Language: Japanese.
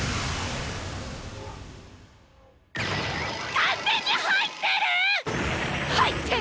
完全に入ってる！